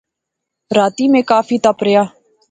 راتی میں کافی تپ رہیا